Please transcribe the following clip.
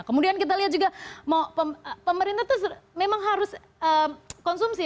kemudian kita lihat juga pemerintah itu memang harus konsumsi